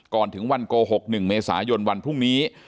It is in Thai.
ถึงวันโกหก๑เมษายนวันพรุ่งนี้